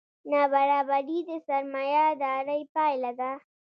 نابرابري د سرمایهدارۍ پایله ده.